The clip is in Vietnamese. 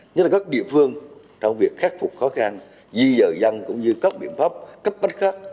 nhất là các địa phương trong việc khắc phục khó khăn di dời dân cũng như các biện pháp cấp bách khác